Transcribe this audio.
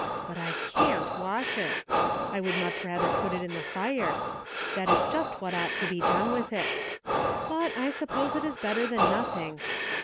But / cant wash it. I would much rather put it in the fire ; that is just what ought to be done with it. But. I suppose it is better than nothing.